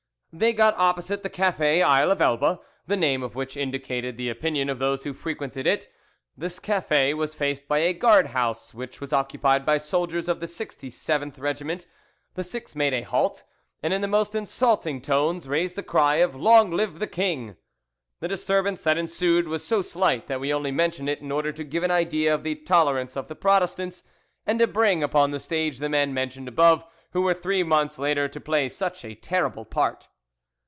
They got opposite the cafe "Isle of Elba," the name of which indicated the opinion of those who frequented it. This cafe was faced by a guard house which was occupied by soldiers of the 67th Regiment. The six made a halt, and in the most insulting tones raised the cry of "Long live the king!" The disturbance that ensued was so slight that we only mention it in order to give an idea of the tolerance of the Protestants, and to bring upon the stage the men mentioned above, who were three months later to play such a terrible part.